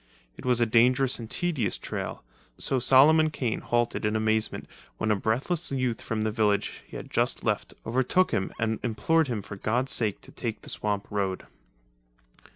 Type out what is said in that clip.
It was a dangerous and tedious trail; so Solomon Kane halted in amazement when a breathless youth from the village he had just left overtook him and implored him for God's sake to take the swamp road.